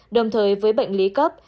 đồng thời với bệnh lý cấp